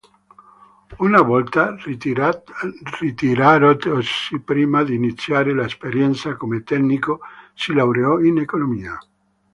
Una volta ritiratosi, prima di iniziare l'esperienza come tecnico si laureò in economia.